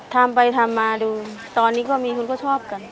ทำไปทำมาดูตอนนี้ก็มีคนก็ชอบกัน